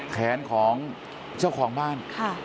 แขนของเจ้าของบ้าน